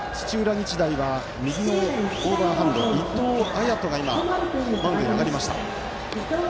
日大は右のオーバーハンド伊藤彩斗が今、マウンドに上がりました。